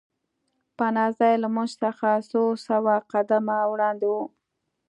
پناه ځای له موږ څخه څو سوه قدمه وړاندې و